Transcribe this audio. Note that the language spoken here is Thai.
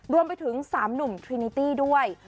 รวมไปถึง๓หนุ่มทรินิตี้ด้วย